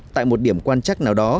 tại một điểm quan chắc nào đó